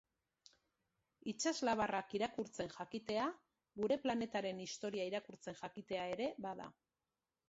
Itsas labarrak irakurtzen jakitea gure planetaren historia irakurtzen jakitea ere bada.